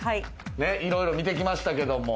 いろいろ見て来ましたけども。